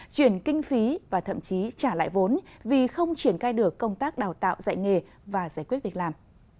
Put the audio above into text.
chuyển kinh phí và thậm chí trả lại vốn vì không triển khai được công tác đào tạo dạy nghề và giải quyết việc làm